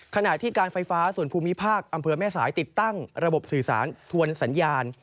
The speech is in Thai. ขณะที่การไฟฟ้าส่วนภูมิภาคอำเภอแม่สายติดตั้งระบบสื่อสารทวนสัญญาณ